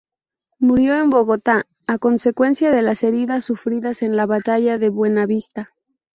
Murió en Bogotá a consecuencia de las heridas sufridas en la batalla de Buenavista.